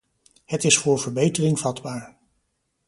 Het is voor verbetering vatbaar.